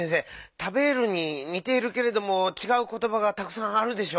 「たべる」ににているけれどもちがうことばがたくさんあるでしょ。